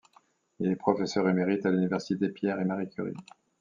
Il est professeur émérite à l'université Pierre-et-Marie-Curie.